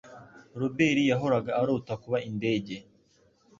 Robert yahoraga arota kuba indege.